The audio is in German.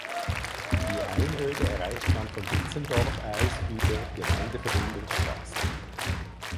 Die Einöde erreicht man von Hitzendorf aus über Gemeindeverbindungsstraße.